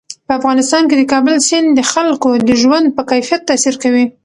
په افغانستان کې د کابل سیند د خلکو د ژوند په کیفیت تاثیر کوي.